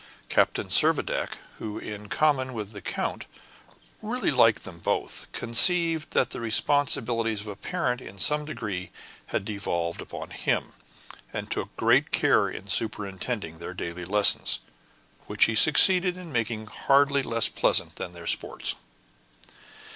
Captain Servadac, who in common with the count really liked them both, conceived that the responsibilities of a parent in some degree had devolved upon him, and took great care in superintending their daily lessons, which he succeeded in making hardly less pleasant than their sports.